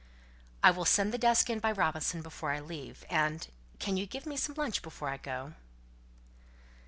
"I'll send the desk in by Robinson before I leave. And can you give me some lunch before I go?"